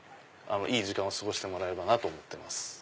いい時間を過ごしてもらえればと思ってます。